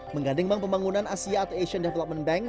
menggandeng bank pembangunan asia atau asian development bank